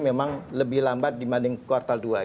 memang lebih lambat dibanding kuartal dua